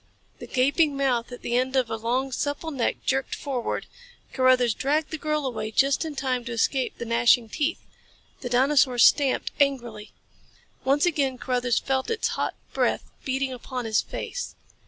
The gaping mouth at the end of a long, supple neck jerked forward. Carruthers dragged the girl away just in time to escape the gnashing teeth. The dinosaur stamped angrily. Once again Carruthers felt its hot breath beating upon his face.